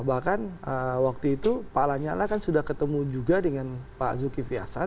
bahkan waktu itu pak lanyala kan sudah ketemu juga dengan pak zulkifli hasan